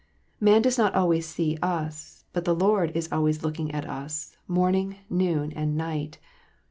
Man does not always see us, but the Lord is always looking at us, morning, noon, and night.